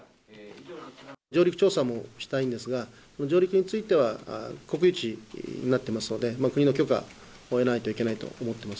上陸調査もしたいんですが、上陸については、国有地になってますので、国の許可を得ないといけないと思ってます。